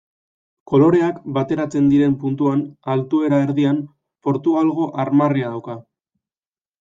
Koloreak bateratzen diren puntuan, altuera erdian, Portugalgo armarria dauka.